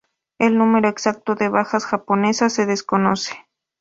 El número exacto de bajas japonesas se desconoce.